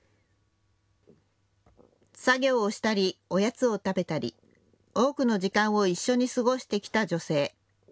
作業をしたり、おやつを食べたり多くの時間を一緒に過ごしてきた女性。